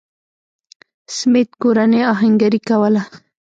سمېت کورنۍ اهنګري کوله.